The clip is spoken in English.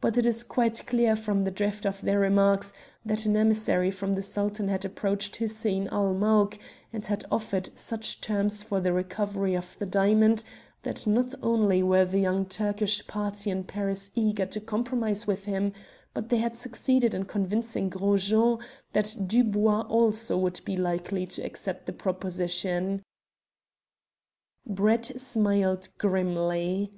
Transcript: But it is quite clear from the drift of their remarks that an emissary from the Sultan had approached Hussein ul Mulk, and had offered such terms for the recovery of the diamonds that not only were the Young Turkish party in Paris eager to compromise with him, but they had succeeded in convincing Gros Jean that Dubois also would be likely to accept the proposition." Brett smiled grimly.